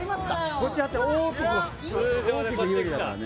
こっち張って大きく有利だからね